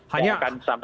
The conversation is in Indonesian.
hanya sebatas mengecam